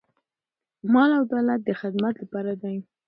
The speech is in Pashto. مال او دولت د خدمت لپاره دی.